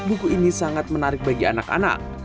buku ini sangat menarik bagi anak anak